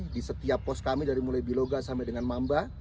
di setiap pos kami dari mulai biloga sampai dengan mamba